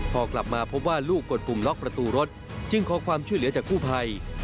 พอกลับมาพบว่าลูกกดปุ่มล็อกประตูรถจึงขอความช่วยเหลือจากกู้ภัย